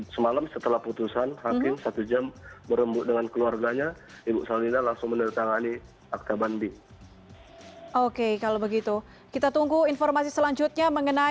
semalam setelah putusan hakim satu jam berembut dengan keluarganya